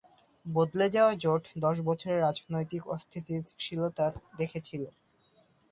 বদলে যাওয়া জোট দশ বছরের রাজনৈতিক অস্থিতিশীলতা দেখেছিল।